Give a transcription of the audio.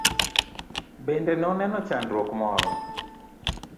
Bende noneno chandruok moro?